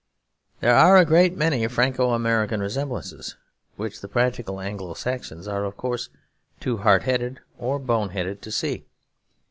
There are a great many Franco American resemblances which the practical Anglo Saxons are of course too hard headed (or boneheaded) to see.